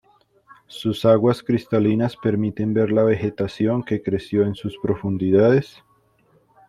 Sus aguas cristalinas permiten ver la vegetación que creció en sus profundidades.